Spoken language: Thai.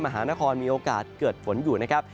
มหานครมีโอกาสเกิดฝนอยู่นะครับ